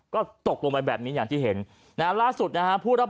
ก็ตกลงไปแบบนี้อย่างที่เห็นนะฮะล่าสุดนะฮะผู้รับ